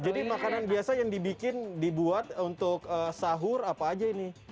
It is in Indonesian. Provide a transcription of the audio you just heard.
jadi makanan biasa yang dibuat untuk sahur apa aja ini